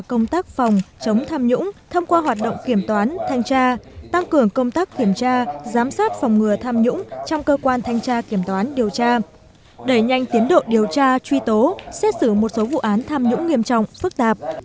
công tác phòng chống tham nhũng thông qua hoạt động kiểm toán thanh tra tăng cường công tác kiểm tra giám sát phòng ngừa tham nhũng trong cơ quan thanh tra kiểm toán điều tra đẩy nhanh tiến độ điều tra truy tố xét xử một số vụ án tham nhũng nghiêm trọng phức tạp